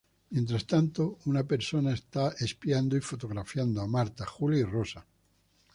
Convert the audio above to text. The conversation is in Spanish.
Mientras tanto una persona está espiando y fotografiando a Marta, Julia y Rosa.